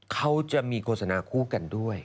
เขาจะมีโฆษณาคู่กันด้วย